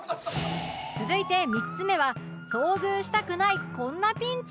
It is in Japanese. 続いて３つ目は遭遇したくないこんなピンチ